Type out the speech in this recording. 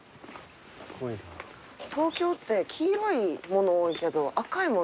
東京って黄色いもの多いけど赤いもの少ないですよね。